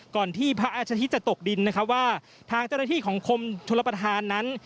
ก่อนที่พระอาชาธิตจะตกดินว่าทางเจรฐีของกรมทุลประธานนั้น